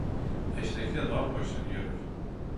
Эшлекле норма өсөн йөрөр